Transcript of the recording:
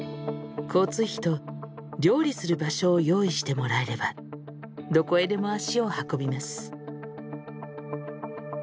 交通費と料理する場所を用意してもらえればどこへでも足を運びます。